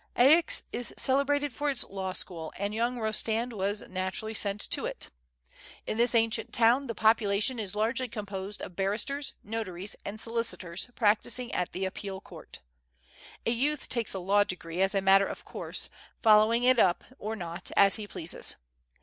Aix is celebrated for its law school, and j^oung Kostand was naturally sent to it. In this ancient town the population is largely composed of barristers, notaries, and solicitors practising at the Appeal Court. A youth takes a law degree as a matter of course, following it up or not as he pleases.